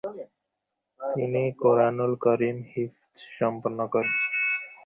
তিনি কুরআনুল কারীম হিফয সম্পন্ন করেন।